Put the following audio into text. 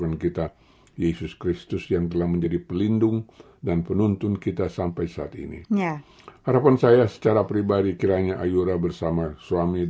apakah ia mendapati iman di bumi